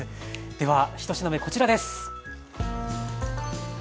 では１品目こちらです。